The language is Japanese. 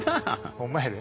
ホンマやで。